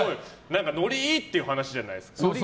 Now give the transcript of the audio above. ノリがいいって話じゃないですか。